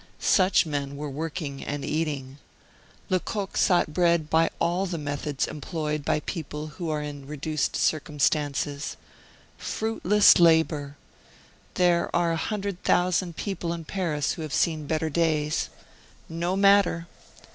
Such men were working and eating. Lecoq sought bread by all the methods employed by people who are in reduced circumstances! Fruitless labor! There are a hundred thousand people in Paris who have seen better days. No matter!